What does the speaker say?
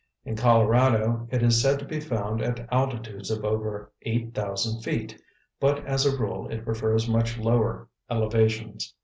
In Colorado it is said to be found at altitudes of over eight thousand feet, but as a rule it prefers much lower elevations.